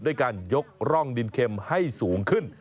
ด้วยการยกร่องดินเข็มให้สูงขึ้น